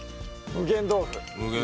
無限豆腐。